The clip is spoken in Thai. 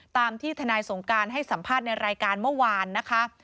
ตามที่ทนายสงการให้สัมภาษณ์ในรายการเมื่อวานนะคะ